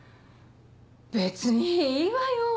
別にいいわよ。